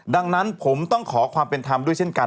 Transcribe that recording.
ดังนั้นผมต้องขอความเป็นธรรมด้วยเช่นกัน